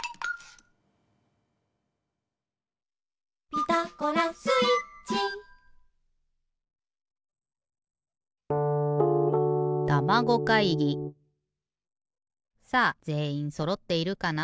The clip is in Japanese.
「ピタゴラスイッチ」さあぜんいんそろっているかな？